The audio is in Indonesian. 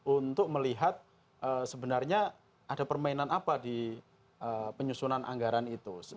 untuk melihat sebenarnya ada permainan apa di penyusunan anggaran itu